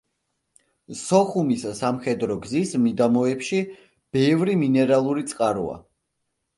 სოხუმის სამხედრო გზის მიდამოებში ბევრი მინერალური წყაროა.